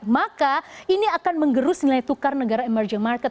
maka ini akan menggerus nilai tukar negara emerging market